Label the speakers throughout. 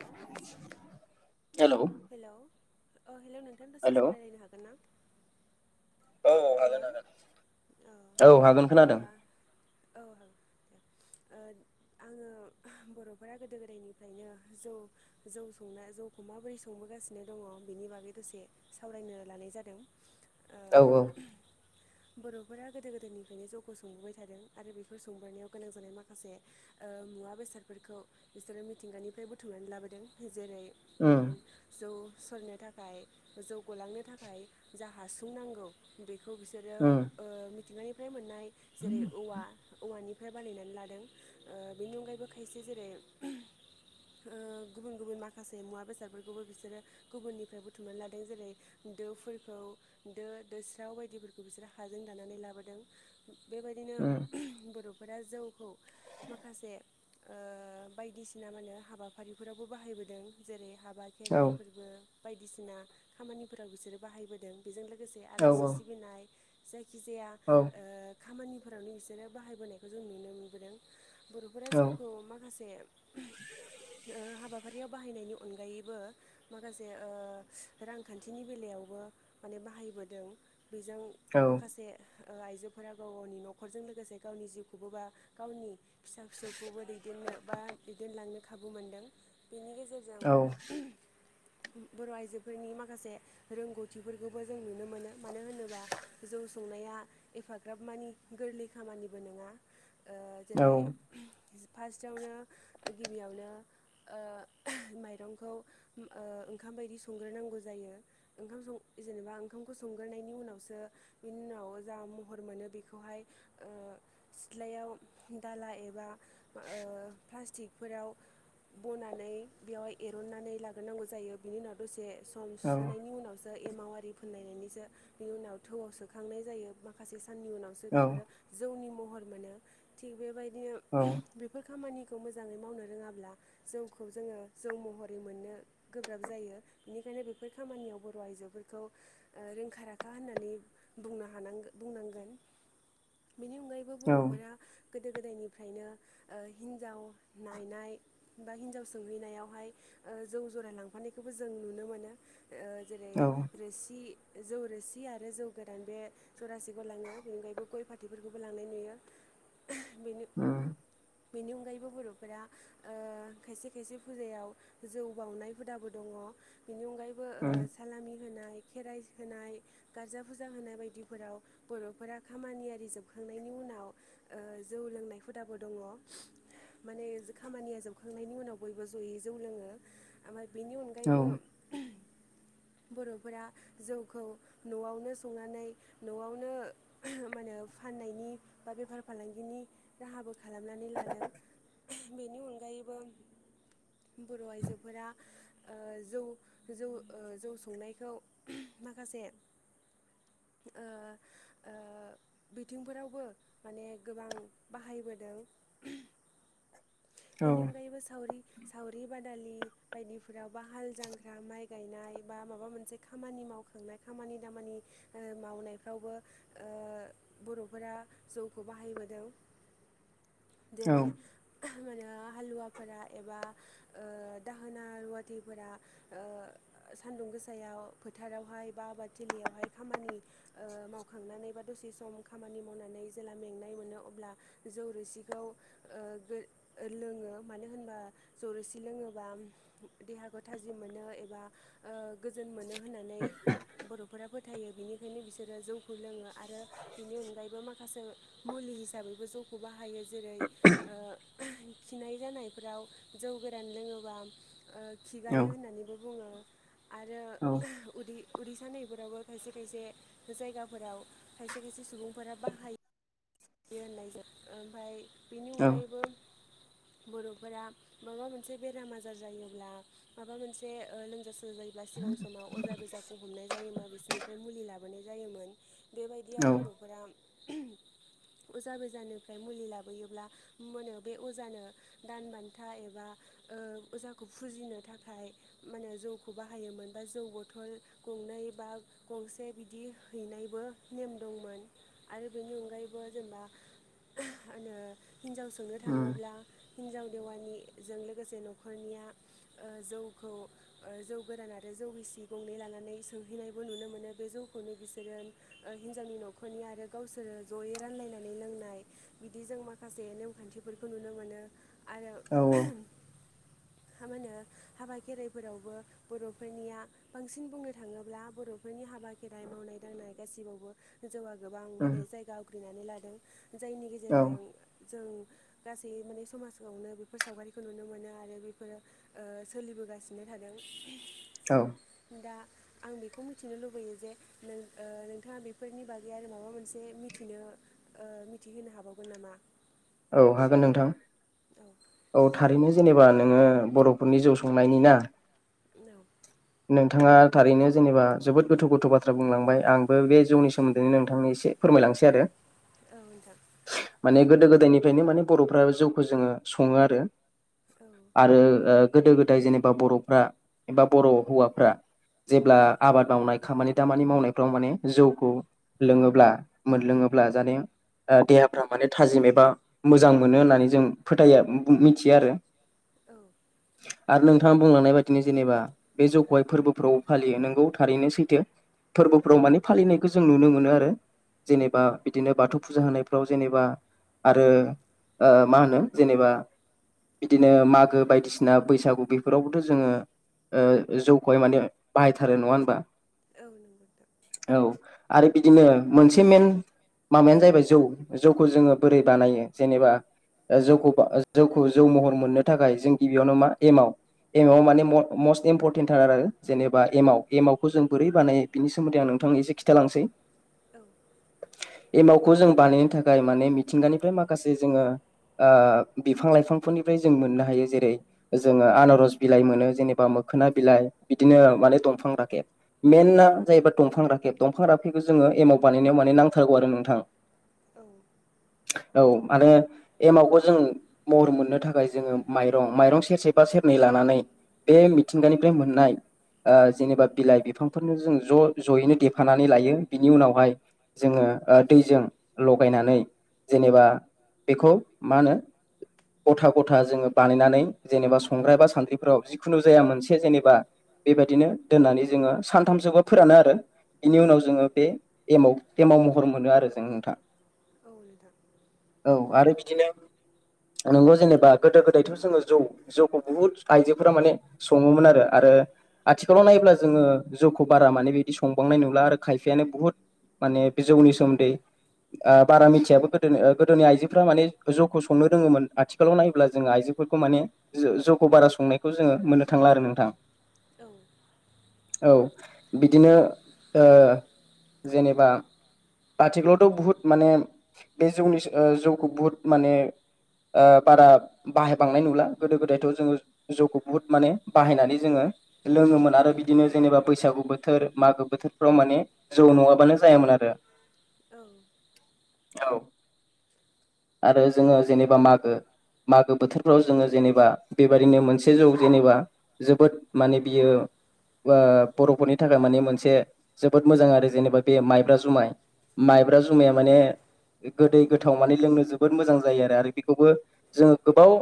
Speaker 1: Hello
Speaker 2: hello
Speaker 1: hello अ hello नोंथां दसे
Speaker 2: हेलौ
Speaker 1: सम रायज्लायनो हागोनना
Speaker 2: औ औ हागोन हागोन औ हागोन खोनादों
Speaker 1: औ ओ आङो बर'फोरा गोदो गोदायनिफ्रायनो जौ जौ संनाय जौखौ माबोरै संबोगासिनो दङ बेनि बागै दसे सावरायनो लानाय जादों ओ
Speaker 2: औ औ
Speaker 1: बर'फोरा गोदो गोदायनिफ्रायनो जौखौ संबोबाय थादों आरो बेफोर संबोनायाव गोनां जानाय माखासे ओ मुवा बेसादफोरखौ बिसोरो मिथिंगानिफ्राय बुथुमनानै लाबोदों जेरै
Speaker 2: उम
Speaker 1: जौ सरनो थाखाय जौ गलांनो थाखाय जा हासुं नांगौ बे खौ
Speaker 2: उम
Speaker 1: बिसोरो मिथिंगानिफ्राय मोननाय जेरै औवा औवानि निफ्राय बानायनानै लादों बेनि अनगायैबो खायसे जेरै ओ गुबुन गुबुन माखासे मुवा बेसादफोरखौबो बिसोरो गुबुननिफ्राय बुथुमनानै लादों जेरै दोफोरखौ दो दोस्राव बायदिफोरखौ बिसोरो हाजों दानानै लाबोदों बेबायदिनो
Speaker 2: उम
Speaker 1: बर' फोरा जौखौ माखासे बायदिसिना माहोनो हाबाफारिफोरावबो बाहायबोदों जेरै हाबा
Speaker 2: औ
Speaker 1: खेराइ फोरबो बायदिसिना खामानिफोराव बिसोरो बाहायबोदों बेजों लोगोसे
Speaker 2: औ
Speaker 1: आलासि सिबिनाय जायखिजाया
Speaker 2: औ
Speaker 1: खामानिफोरावनो बिसोरो बाहायबोनायखौ जों नुनो मोनबोदों बर'फोरा
Speaker 2: औ
Speaker 1: जौखौ माखासे ओ हाबा फारियाव बाहायनायनि अनगायैबो माखासे ओ रांखान्थिनि बेलायावबो माने बाहायबो दों बेजों
Speaker 2: औ
Speaker 1: माखासे आइजोफोरा गाव गावनि न'खरजों लोगोसे गावनि जिउखौबो बा गावनि फिसा फिसौखौबो दैदेननो बा दैदेनलांनो खाबु मोनदों बेनि गेजेरजों बर' आइजोफोरनि माखासे रोंगौथिफोरखौबो जों नुनो मोनो मानो होनोबा जौ संनाया एफाग्राब मानि गोरलै खामानिबो नङा ओ
Speaker 2: औ
Speaker 1: जेरै फार्स्टआवनो गिबियावनोओ माइरंखौ ओ ओंखाम बायदि संग्रोनांगौ जायो ओंखाम सं जेनेबा ओंखाम खौ संग्रोनायनि उनावसो बिनि उनाव जा महर मोनो बेखौहाय ओ सिथ्लायाव बेयाव दालाइ एबा ओ प्लास्टिकफोराव बनानै बेवहाय एरननानै लाग्रोनांगौ जायो बिनि उनाव दसे सम
Speaker 2: उम औ
Speaker 1: सुनायनि उनावसो एमावरि फोननाय बेनि सो उनाव थोवाव सोखांनाय जायो माखासे साननि उनावसो
Speaker 2: औ
Speaker 1: बेफोरो जौनि म हर मोनो थिग बेबायदिनो
Speaker 2: औ
Speaker 1: बेफोर खामानि खौ मोजाङै मावनो रोङाब्ला जौखौ जोङो जौ महरै मोननो गोब्राब जायो बेनि माने बेफोर खामानियाव बर' आइजोफोरखौ रोंखा राखा होननानै बुंनो हानांगो बुंनांगोन बेनि अनगायैबो
Speaker 2: औ
Speaker 1: बर'फोरा गोदो गोदायनिफ्रायनो ओ हिन्जाव नायनाय बा हिन्जाव सोंहैनायावहाय जौ जरायलांफानायखौबो जों नुनो मोनो जेरै रोसि जौ रोसि आरो जौ गोदान बे जौरासिखौ लाङो बेनिगायबो गय फाथैफोरखौबो लांनाय नुयो बेनि
Speaker 2: ओ
Speaker 1: बेनि अनगायैबो बर'फोरा खायसे खायसे फुजायाव जौ बाउनाय हुदाबो दङ बेनि अनगायैबो
Speaker 2: औ
Speaker 1: ओ सालामि होनाय खेराइ होनाय गारजा फुजा होनाय बायदिफोराव बर'फोरा खामानियि जोबखांनायनि उनाव जौ लोंनाय हुदाबो दङ माने खामानिया जोबखांनायनि उनाव बयबो जयै जौ लोङो ओमफ्राय बेनि अनगायैबो बर'फोरा जौखौ न'आवनो संनानै न'आवनो मा होने फाननायनि ब बेफार फालांगिनि राहाबो खालामनानै लादों बेनि अनगायैबो बर' आइजोफोरा जौ जौ जौ संनायखौ माखासे बिथिंफोरावबो माने गोबां बाहायबोदों बेनि अनगायैबो सावरि सावरि बाद दालि बायदि हाल जांख्रा माइ गायनाय बा मोन खामानि मावखांनाय खामानि दामानि मावनायफ्रावबो बर'फोरा ज बेरै हालुव हवाफोरा एबा दाहोना रुवाथिफोरा सान्दुं गोसायाव फोथारावहाय बा आबादथिलियावहाय खामानि मावखांनानै बा दसे सम खामानि मावनानै जे मेंनाय मोनो अब्ला जौ रोसिखौ लोङो मानो होनबा जरैसि लोङोबा देहाखौ थाजिम मोनो एबा गोजोन मोनो होननानै बर' फोर फोथायो बिनिखायनो बिसोरो जौखौ लोङो आरो बिनि अनगायैबो माखासे मुलि हिसाबै बे जौखौ बाहायो हायो जेरै खिनाय जानायफोराव जौ गोरान लोङोबा खिगायो होननानैबो बुङो आरो उदै उदिसा नैफोरावबो खायसे खायसे जायगाफोराव खायसे खायसे सुबुंफोरा बाहायो बि होननाय जायो ओमफ्राय बेनि अनगायैबो बर'फोरा माबा मोनसे बेराम आजार जायोब्ला माबा मोनसे लोमजा ज जायोब्ला सिगां समाव अजा बेजाखौ हमनाय जायोबा बिसोरनिफ्राय मुलि लाबोनाय जायोमोन बेबायदियाव बर'फोरा अजा बेजाननिफ्राय मुलि लाबोयोब्ला मोनो बे अजानो दान बान्था एबा अजाखौ फुजिनो थाखाय माने जौखौ बाहायोमोन बा जौ बथल गं बा गंसे बिदि हैनायबो ने दंमोन आरो बिनि अनायैबो जेनेबा आ होनो हिनजाव सोंनो थाङोब्ला हिनजाव देवानिजों लोगोसे न'खरनिया जौखौ जौ गोरान आरो जौ गिसि गंनै लानानै सोंहैनायबो नुनो मोनो बे जौखौनो बिसोरो ओ हिनजावनि न'खरनि आ आरो गावसोरो जयै रानलायनानै लोंनाय बिदि जों माखासे नेमखान्थिफोरखौ नुनो मोनो आरो म मा होनो हाबा खेराइफोरावबो बर'फोरनिया बांसिन बुंनो थाङोब्ला बर'फोरनि हाबा हाबा खेराइ मावनाय दांनाय गासिबावबो जौ गोबां माने
Speaker 2: औ
Speaker 1: जायगा आवग्रिनानै लादों जायनि गेजेरजों जों गासै माने समाजावनो बेफोर सावगारिखौ नुनो मोनो आरो बेफोरो सोलिबोगासिनो थादों
Speaker 2: औ
Speaker 1: दा आं बेखौ मिथिनो लुुबैयो जे नोंथाङा बेफोरनि बागै आरो माबा मोनसे मिथिनो मिथिहोनो हाबावगोन नामा
Speaker 2: औ हागोन नोंथां
Speaker 1: औ
Speaker 2: औ थारैनो जेनेबा नोङो बर'फोरनि जौ संनायनि ना
Speaker 1: औ
Speaker 2: नोंथाङा थारैनो जेनेबा जोबोद गोथौ गोथौ बाथ्रा बुंलांबाय आंबो बे जौनि सोमोन्दैनो नोंथांनि एसे फोर फोरमायलांसै आरो
Speaker 1: औ नोंथां
Speaker 2: माने गोदो गोदायनिफ्रायनो माने बर'फ्रा जौखौ जोङो सङो आरो
Speaker 1: औ
Speaker 2: आरो गोदो गोदाय जेनेबा बर'फ्रा एबा बर' हौवाफ्रा जेब्ला
Speaker 1: औ
Speaker 2: आबाद मावनाय खामानि दामानि मावनायफ्राव माने जौखौ लोङोब्ला मोनलोङोब्ला जाने देहाफ्रा माने थाजिम एबा मोजां मोनो होननानै जों फोथाया मोनथियो आरो
Speaker 1: औ
Speaker 2: आरो नोंथाङा बुंलांनाय बायदिनो जेनेबा बे जौखहाय फोरबोफ्राव फालियो नोंगौ थारैनो सैथो।
Speaker 1: औ
Speaker 2: फोरबोफोराव माने फालिनायखौ जों नुनो मोनो आरो
Speaker 1: औ
Speaker 2: जेनेबा बिदिनो बाथौ फुजा होनाय फ्राव जेनेबा आरो मा होनो जेनेबा बिदिनो मागो बायदिसिना बैसागु बेफोरावबोथ' जोङो ओ जौखौहाय माने बाहायथारो नङा हबा?
Speaker 1: औ नंगौदा
Speaker 2: आरो बिदिनो मोनसे मेन माबायानो जाहैबाय जौ जौखौ जोङो बोरै बानायो। जेनेबा ओ जौखौ जौखौ जौ महर मोननो थाखाय जों गिबियावनो मा एमाव एमाव माने
Speaker 1: उम
Speaker 2: म' मस्ट इम्परट थार आरो जेनेबा एमाव एमाव खौ जों बोरै बानायो बिनि सोमोन्दै आं नोंथां एसे खिन्थालांसै।
Speaker 1: औ
Speaker 2: एमावखौ जों बानायनो थाखाय माने मिथिंगानिफ्राय माखासे जोङो बिफां लाइफांफोरनिफ्राय जों मोननो हायो जेरै जोङो ओ आनारस बिलाइ मोनो जेनेबा मो खोना बिलाइ बिदिनो माने दंफां राखेब मेना जाहैबा दंफां राखेब दंफां राफेखौ जोङो ओ एमाव बानायनायाव माने नांथारगौ आरो नोंथां
Speaker 1: औ
Speaker 2: औ माने एमावखौ जों महर मोननो थाखाय जोङो माइरं माइरं सेरसेबा सेरनै लानो नानै बे मिथिंगानिफ्राय मोननाय ओ जेनेबा बिलाइ बिफांफोरनो जों ज' ज'यैनो देफानानै लायो बिनि उनावहाय जोङो ओ दैजों लगायनानै जेनेबा बेखौ मा होनो गथा गथा जोङो बानायनानै जेनेबा संग्राय बा सान्द्रिफोराव जिखुनु जाया मोनसे जेनेबा बेबायदिनो दोननानै जोङो सानथामसोबो फोरानो आरो। बिनि उनाव जोङो बे एमाव एमाव महर मोनो आरो जों नोंथां
Speaker 1: औ नोंथां
Speaker 2: औ आरो बिदिनो नोंगौ जेनेबा गोदो गोदायथ' जोङो जौ जौखौ बुहुद आइजोफोरा माने सङोमोन आरो आरो आथिखालाव नायब्ला जोङो जौखौ बारा माने बिदि संबांनाय नुला आरो खायफायानो बुहुत माने जौनि सोमोन्दै बारा मिथियाबो गोदोनि ओ गोदोनि आयजोफ्रा माने जौखौ संनो रोङोमोन आथिखालाव नायोब्ला जों आयजोफोरखौ माने खौ बारा संनायखौ जोङो मोननो थांला आरो नोंथां।
Speaker 1: औ
Speaker 2: औ बिदिनो ओ जेनेबा आथिखालावथ' बुहुत माने बे ओ‌ जौनि जौखौ बुहुद माने ओ बारा बाहायबांनाय नुला गोदो गोदायथ' जोङो जौखौ बुहुद माने बाहायनानै जोङो लोङोमोन आरो बिदिनो जेनेबा बैसागु बोथोर मागो बोथोरफ्राव माने जौ नङाबानो जायामोन। आरो
Speaker 1: औ
Speaker 2: औ आरो जोङो जेनेबा मागो मागो बोथोरफ्राव जोङो जेनेबा बेबदििनो मोनसे जौ जेनेबा जोबोद माने बियो बर'फोरनि थाखाय माने मोनसे जोबोद मोजां आरो जेनेबा बे माइब्रा जुमाय माइब्रा जुमाया माने गोदै गोथाव माने लोंनो जोबोद मोजां जायो आरो आरो बेखौबो जोङो गोबाव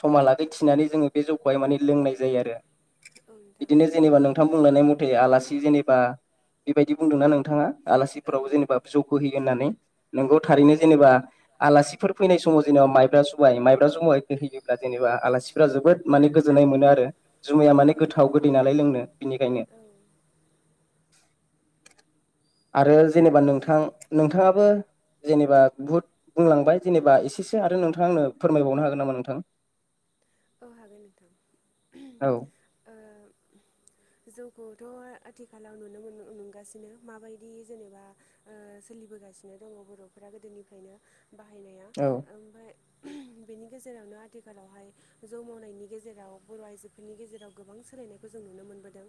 Speaker 2: समा लागै थिनानै जोङो बे जौखौहाय माने लोंनाय जायो आरो
Speaker 1: औ नोंथां
Speaker 2: बिदिनो जेनेबा नोंथां बुंलांनाय मथे आलासि जेनेबा बेबायदि बुंदोंना नोंथाङा
Speaker 1: औ
Speaker 2: आलासिफोराव जेनेबा जौखौ हो नानै नंगौ
Speaker 1: औ
Speaker 2: थारैनो जेनेबा आलासि फोर फैनाय समाव जेनेबा माइब्रा जुमाइ माइब्रा जुमाय होयोब्ला जेनेबा आलासिफोरा जोबोद माने गोजोन्नाय मोनो आरो जुमाया
Speaker 1: औ
Speaker 2: माने गोथाव गोदै नालाय लोंनो बिनिखायनो आरो जेनेबा नोंथां नोंथाङाबो जेनेबा बुहुद बुंलांबाय जेनेबा एसेसो आरो नोंथाङा आंनो फोरमायबावनो हागोन नामा नोंथां
Speaker 1: औ हागोन नोंथां
Speaker 2: औ
Speaker 1: जौ खौथ' आथिखालाव नुनो मोन नुगासिनो माबायदि जेनेबा सोलिबोगासिनो दङ बर'फोरा गोदोनिफ्रायनो बाहायनाया
Speaker 2: औ
Speaker 1: ओमफ्राय बेनि गेजेरावनो आथिखालावहाय जौ मावनायनि गेजेराव बर' आइजोफोरनि गेजेराव गोबां सोलायनायखौ जों नुनो मोनबोदों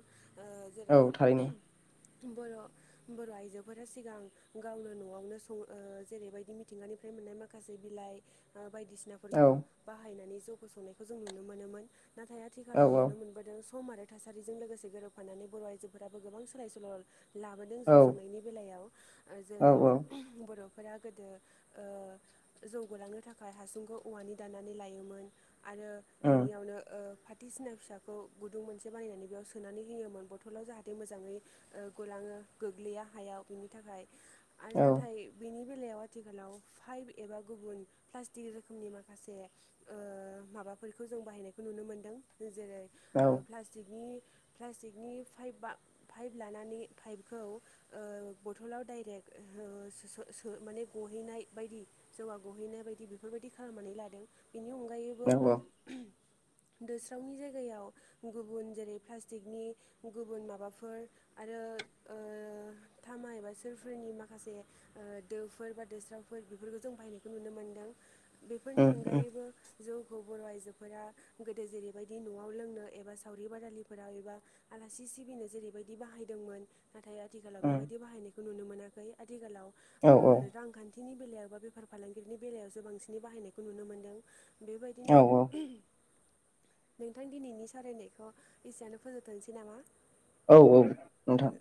Speaker 1: जेरै
Speaker 2: औ थारैनो
Speaker 1: बर' बर' आइजोफोरा सिगां गावनो न'आवनो सं जेरैबायदि मिथिंगानि ओमफ्राय मोननाय माखासे बिलाइ
Speaker 2: औ
Speaker 1: बायदिसिनाफोरखौ बाहायनानै जौ फसंनायखौ जों नुनो मोनोमोन नाथाय
Speaker 2: औ
Speaker 1: आथिखालाव नुनो मोनबोदों खौ आरो थासारिजों लोगोसे गोरोबफानानै बर' आइजोफोराबो गोबां सोलाय सोल' लाबोदों जौ
Speaker 2: औ
Speaker 1: संनायनि बेलायाव
Speaker 2: औ
Speaker 1: जेरै बर' फोर गोदो जौगालांनो थाखाय हासुंखौ औवानि दाननानै लायोमोन आरो
Speaker 2: उम
Speaker 1: बिनियावनो सिना फिसाखौ गुदुं मोनसे बानायनानै बेयाव सोनानै होयोमोन बथलाव जाहाथे मोजाङै गुलाङो गोग्लैया हायाव बिनि थाखाय आरो
Speaker 2: औ
Speaker 1: नाथाय बिनि बे बेलायाव आथिखालाव फाइभ एबा गुबुन प्लास्टिक रोखोमनि माखासे माबाफोरखौ जों बाहायनायखौ नुनो मोनदों जेरै
Speaker 2: औ
Speaker 1: प्लास्टिकनि प्लास्टिकनि पाइप पाइप लानानै पाइपखौ बथलाव डाइरेक्ट माने गहैनाय बायदि जौवा गहैनाय बायदि बेफोरबायदि खालामनानै लादों बिनि अनगायैबो
Speaker 2: अ
Speaker 1: [inaudible] दोस्रावनि जायगायाव गुबुन जेरै प्लास्टिकनि गुबुन माबाफोर आरो थामा एबा सोरफोरनि माखासे दोफोर बा दोस्रावफोर बेफोर बे जों बायनायखौ नुनो मोन्दों बेफोरनि
Speaker 2: उम उम
Speaker 1: अनगायैबो जौ खौ बर' आइजोफोरा गोदो जेरैबायदि न'आव लोंनो एबा सावरि बादालिफोराव एबा आलासि सिबिनो जेरैबायदि बाहायदोंमोन नाथाय आथिखालाव
Speaker 2: उम
Speaker 1: बेबायदि बाहायनायखौ नुनो मोनाखै आथिखालाव
Speaker 2: औ
Speaker 1: रांखान्थि नि बेलायावबो बेफार फालांगिनि बेलायाव बांसिन बायनायखौनो मोनदों बे बिदिनो
Speaker 2: औ
Speaker 1: नोंथां दिनैनि सावरायनायखौ एसेयावनो फोजोबथ'सै नामा
Speaker 2: औ औ नोंथां